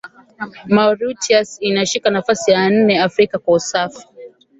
Mauritius inashika nafasi ya nne Afrika kwa usafi